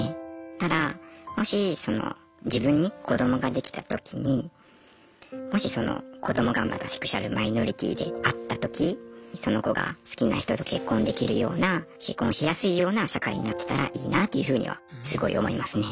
ただもし自分に子どもができたときにもしその子どもがまたセクシュアルマイノリティーであったときその子が好きな人と結婚できるような結婚しやすいような社会になってたらいいなというふうにはすごい思いますね。